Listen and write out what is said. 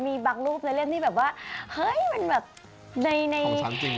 มีบังรูปในเล่มนี้เห้ยมันแบบใน